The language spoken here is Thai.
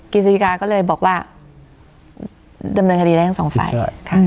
กิจศิริกาก็เลยบอกว่าดำเนินคดีได้ทั้งสองฝ่าย